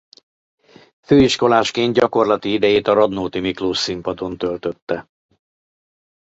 Főiskolásként gyakorlati idejét a Radnóti Miklós Színpadon töltötte.